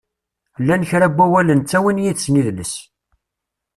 Llan kra n wawalen ttawin yid-sen idles.